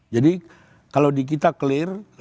jadi kalau di kita clear